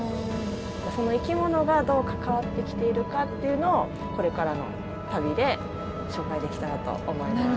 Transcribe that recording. その生き物がどう関わってきているかっていうのをこれからの旅で紹介できたらと思います。